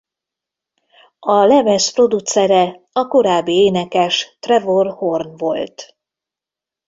A lemez producere a korábbi énekes Trevor Horn volt.